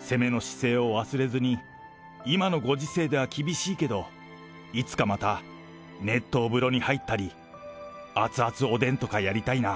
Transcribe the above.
攻めの姿勢を忘れずに、今のご時世では厳しいけど、いつかまた、熱湯風呂に入ったり、熱々おでんとかやりたいな。